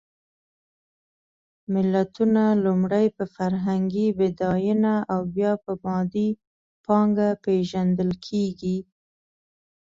ملتونه لومړی په فرهنګي بډایېنه او بیا په مادي پانګه پېژندل کېږي.